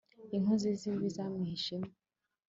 inkozi z'ibibi zamwihishamo